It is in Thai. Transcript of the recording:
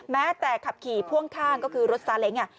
แม้แต่ขับขี่พ่วงข้างก็คือรถซาเล้ง